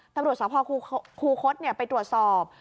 ตนบริษัทภาคที่คุ้คทไปตรวจสอบ